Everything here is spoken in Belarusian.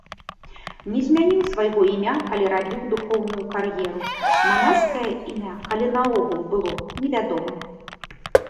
Не змяніў свайго імя, калі рабіў духоўную кар'еру, манаскае імя, калі наогул было, невядома.